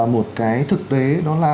một cái thực tế đó là